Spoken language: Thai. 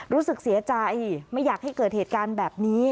รู้สึกเสียใจไม่อยากให้เกิดเหตุการณ์แบบนี้